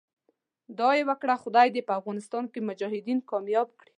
دعا یې وکړه خدای دې په افغانستان کې مجاهدین کامیاب کړي.